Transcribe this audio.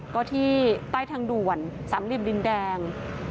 ก็ที่ใต้ทางด่วนสามเหลี่ยมดินแดง